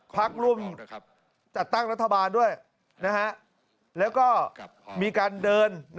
พักร่วมจัดตั้งรัฐบาลด้วยแล้วก็มีการเดิน